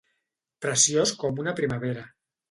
Preciós com una primavera.